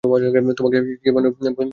তোমাকে চিবানোর বস্তু বানানোর সময় হয়েছে।